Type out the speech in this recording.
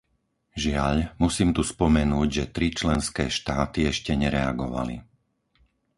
Žiaľ, musím tu spomenúť, že tri členské štáty ešte nereagovali.